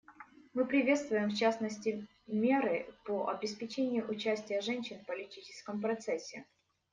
Мы приветствуем, в частности, меры по обеспечению участия женщин в политическом процессе.